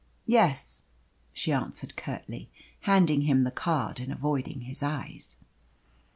"Yes," she answered curtly, handing him the card and avoiding his eyes.